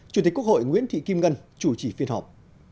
chủ tịch quốc hội nguyễn thị kim ngân chủ trì phiên họp